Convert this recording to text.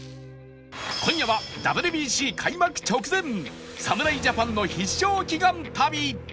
今夜は ＷＢＣ 開幕直前侍ジャパンの必勝祈願旅